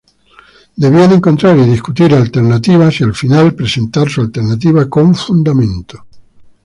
Debían encontrar y discutir alternativas, y al final presentar su alternativa con fundamento.